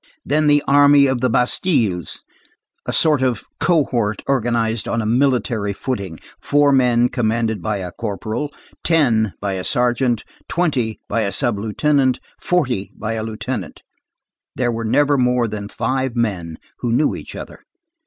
Then the Army of the Bastilles, a sort of cohort organized on a military footing, four men commanded by a corporal, ten by a sergeant, twenty by a sub lieutenant, forty by a lieutenant; there were never more than five men who knew each other.